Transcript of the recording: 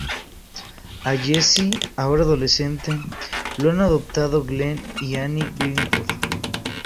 A Jesse, ahora adolescente, lo han adoptado Glen y Annie Greenwood.